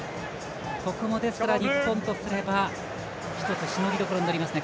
ここも日本とすれば一つ、しのぎどころになりますね